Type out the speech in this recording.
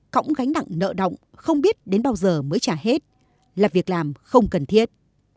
cõng gánh nặng nợ động không biết đến bao giờ mới trả hết là việc làm không cần thiết